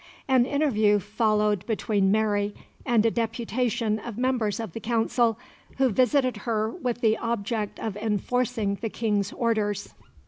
An interview followed between Mary and a deputation of members of the Council, who visited her with the object of enforcing the King's orders.